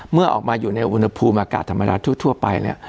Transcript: เมื่อออกมาอยู่ในอุณหภูมิอากาศธรรมดาทั่วไปเนี่ย